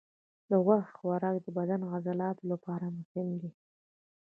د غوښې خوراک د بدن د عضلاتو لپاره مهم دی.